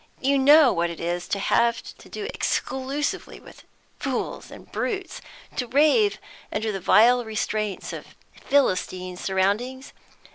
"You know what it is to have to do exclusively with fools and brutes, to rave under the vile restraints of Philistine surroundings?